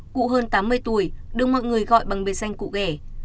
cụ hơn tám mươi tuổi đương mọi người gọi bằng bề danh cụ ghẻ